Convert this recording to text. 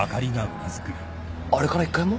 あれから１回も？